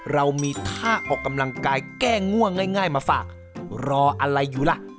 เรามีท่าออกกำลังกายแก้ง่วงง่ายมาฝากรออะไรอยู่ล่ะ